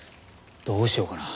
どうしようかな？